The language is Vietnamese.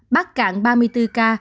bắc cạn ba mươi bốn ca